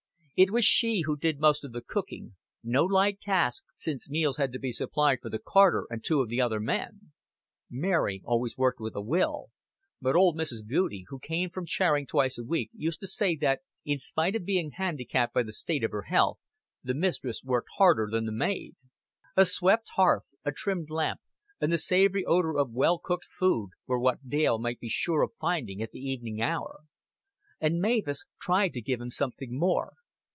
It was she who did most of the cooking, no light task since meals had to be supplied for the carter and two of the other men. Mary always worked with a will; but old Mrs. Goudie, who came for charring twice a week, used to say that, in spite of being handicapped by the state of her health, the mistress worked harder than the maid. A swept hearth, a trimmed lamp, and the savory odor of well cooked food, were what Dale might be sure of finding at the evening hour; and Mavis tried to give him something more.